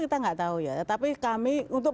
kita nggak tahu ya tetapi kami untuk